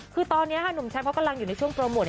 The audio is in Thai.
คือตอนนี้หนุ่มแชมป์เขากำลังอยู่ในช่วงโปรโมท